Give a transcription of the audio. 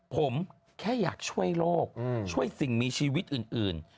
ผมแค่อยากช่วยโลกช่วยสิ่งมีชีวิตอื่น